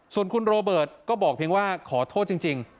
ส่วนคุณโรเบิร์ตก็บอกเพียงว่าขอโทษจริง